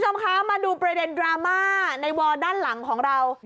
มาดูเปรดดราม่าในวอดด้านหลังของเรา